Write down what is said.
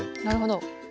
なるほど。